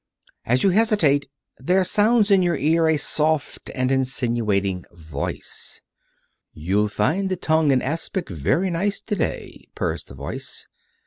As you hesitate there sounds in your ear a soft and insinuating Voice. "You'll find the tongue in aspic very nice today," purrs the Voice.